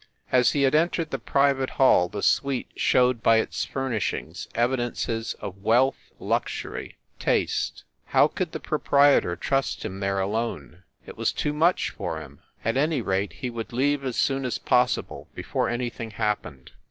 As he had entered the private hall the suite showed by its furnishings evidences of wealth, luxury, taste. How could the proprietor trust him there alone ? It was too much for him. At any rate, he would leave as soon as possible, before anything happened.